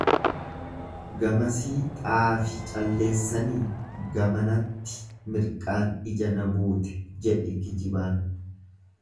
Gamasii xaafi calleessanii gamanatti mirqaan ija na buute jedhe kijibaan.